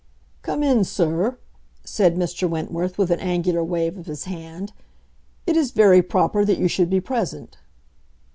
"Come in, sir," said Mr. Wentworth, with an angular wave of his hand. "It is very proper that you should be present."